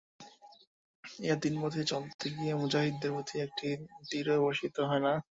এ তিন পথে চলতে গিয়ে মুজাহিদদের প্রতি একটি তীরও বর্ষিত হয় না।